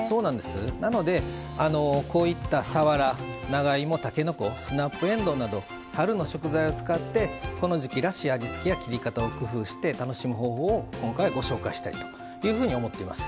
なので、さわら長芋、たけのこスナップえんどうなど春の食材を使ってこの時季らしい味付けや切り方を工夫して楽しむ方法を今回はご紹介したいというふうに思っています。